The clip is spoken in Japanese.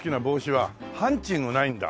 ハンチングないんだ。